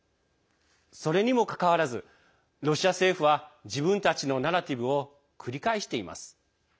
それにもかかわらずロシア政府は自分たちのナラティブを繰り返しています。